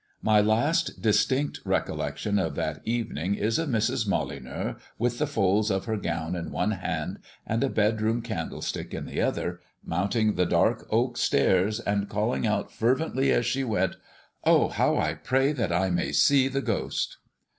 My last distinct recollection of that evening is of Mrs. Molyneux, with the folds of her gown in one hand, and a bedroom candlestick in the other, mounting the dark oak stairs, and calling out fervently as she went "Oh, how I pray that I may see the ghost!"